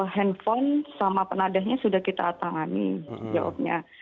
handphone sama penadahnya sudah kita tangani jawabnya